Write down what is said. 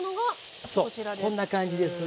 そうこんな感じです。